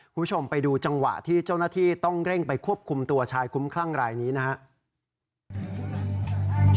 คุณผู้ชมไปดูจังหวะที่เจ้าหน้าที่ต้องเร่งไปควบคุมตัวชายคุ้มคลั่งรายนี้นะครับ